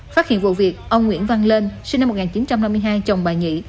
phát hiện vụ việc ông nguyễn văn lên sinh năm một nghìn chín trăm năm mươi hai chồng bà nhị